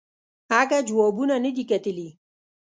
اگه جوابونه ندي کتلي.